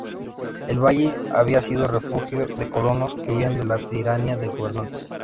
El valle había sido refugio de colonos que huían de la tiranía de gobernantes.